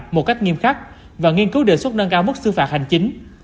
một cách nghiêm khắc và nghiên cứu đề xuất nâng cao mức xứ phạt hành chính